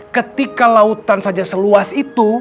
ketika lautan saja seluas itu